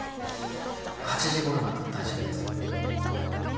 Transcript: ８時ごろなら大丈夫です。